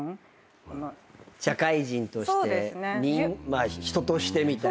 社会人として人としてみたいな。